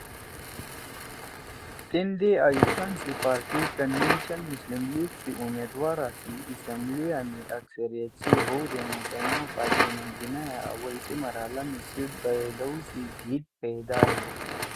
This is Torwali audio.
تیندے ایوب خان سی پارٹی کنونشن مسلیم لیگ سی اُمیدوارا سی اسمبلیِا می اکثریت سی ہؤ دے محترمہ فاطمہ جناح ئے اوّل سی مرحلہ می سیِٹ بئیلؤ سی بھیِت پیدا ہی